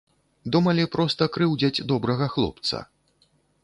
Думалі, проста крыўдзяць добрага хлопца.